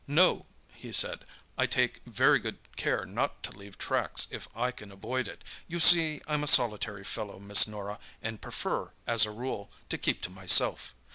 "No," he said, "I take very good care not to leave tracks if I can avoid it. You see, I'm a solitary fellow, Miss Norah, and prefer, as a rule, to keep to myself.